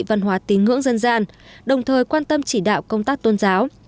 văn hóa tín ngưỡng dân gian đồng thời quan tâm chỉ đạo công tác tôn giáo